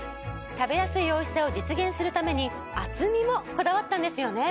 食べやすいおいしさを実現するために厚みもこだわったんですよね。